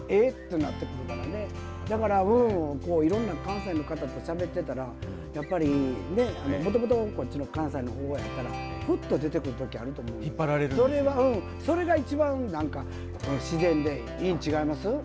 頑張って、もう１回だからいろんな関西の方としゃべってたらやっぱりもともとこっちの関西の方やったらふっと出てくることあると思うそれが、一番なんか自然でいいん違います。